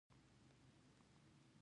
احمدشاه بابا د افغانستان بنسټګر و.